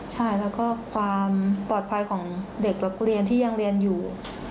ใช่แล้วก็ความปลอดภัยของเด็กนักเรียนที่ยังเรียนอยู่